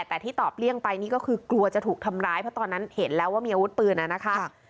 แต่ที่ตอบเลี่ยงไปนี่ก็คือกลัวจะถูกทำร้ายเพราะตอนนั้นเห็นแล้วว่ามีอาวุธปืนนะคะ